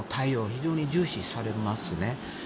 非常に重視されますね。